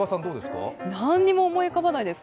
何も思い浮かばないです。